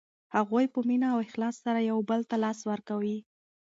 هغوی په مینه او اخلاص سره یو بل ته لاس ورکوي.